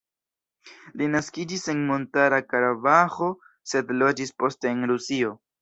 Li naskiĝis en Montara Karabaĥo, sed loĝis poste en Rusio.